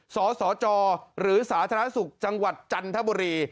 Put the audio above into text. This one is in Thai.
สสจหรือสาธารณสุขจังหวัดจันทบุรี